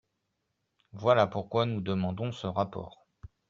Voilà pourquoi nous demandons ce rapport.